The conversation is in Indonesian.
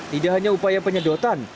tidak hanya upaya penyedotan